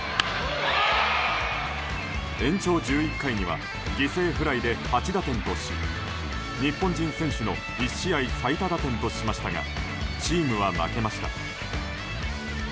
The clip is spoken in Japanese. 延長１１回には犠牲フライで８打点とし日本人選手の１試合最多打点としましたがチームは負けました。